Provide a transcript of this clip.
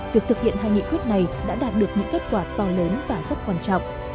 việc thực hiện hai nghị quyết này đã đạt được những kết quả to lớn và rất quan trọng